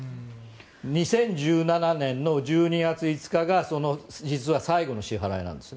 ２０１７年の１２月５日がその実は最後の支払いなんです。